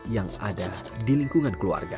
yang ada di lingkungan keluarga